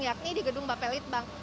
yakni di gedung bapelitbang